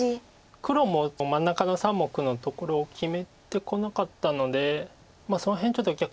黒も真ん中の３目のところを決めてこなかったのでその辺ちょっと逆